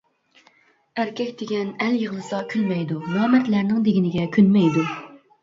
ئەركەك دېگەن ئەل يىغلىسا كۈلمەيدۇ، نامەردلەرنىڭ دېگىنىگە كۆنمەيدۇ.